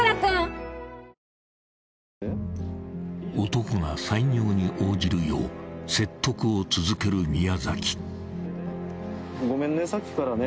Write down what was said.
［男が採尿に応じるよう説得を続ける宮］